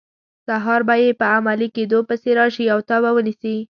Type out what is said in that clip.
سهار به یې په عملي کیدو پسې راشي او تا به ونیسي.